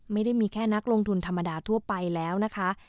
ไม่ได้มีแค่นักลงทุนธรรมดาทั่วไปแล้วนะคะ